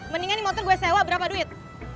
mendingan ini motor gue sewa berapa duit